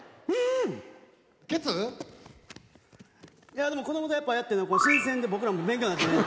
いやでも子どもとやっぱやって新鮮で僕らも勉強なってね。